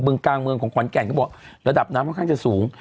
กลางเมืองของขอนแก่นเขาบอกระดับน้ำค่อนข้างจะสูง